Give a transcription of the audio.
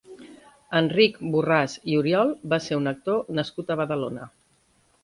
Enric Borràs i Oriol va ser un actor nascut a Badalona.